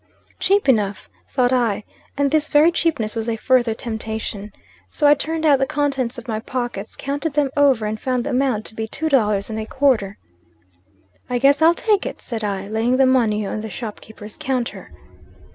"'Cheap enough,' thought I. And this very cheapness was a further temptation. "So I turned out the contents of my pockets, counted them over, and found the amount to be two dollars and a quarter. "'I guess I'll take it,' said I, laying the money on the shopkeeper's counter.